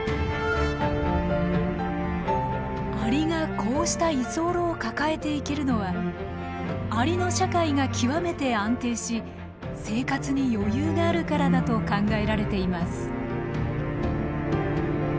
アリがこうした居候を抱えていけるのはアリの社会が極めて安定し生活に余裕があるからだと考えられています。